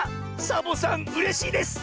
サボさんうれしいです！